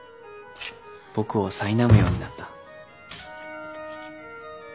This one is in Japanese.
僕をさいなむようになった。